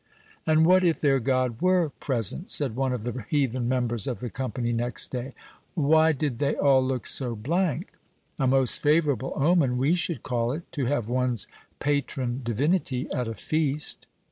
"And what if their God were present?" said one of the heathen members of the company, next day. "Why did they all look so blank? A most favorable omen, we should call it, to have one's patron divinity at a feast."